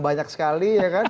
banyak sekali ya kan